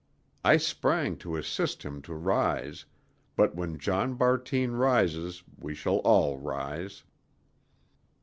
I sprang to assist him to rise; but when John Bartine rises we shall all rise.